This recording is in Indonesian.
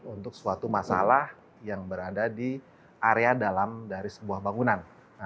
untuk suatu masalah yang berada di area dalam dari sebuah bangunan